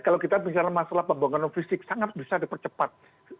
kalau kita bicara masalah pembangunan fisik sangat bisa dipercepat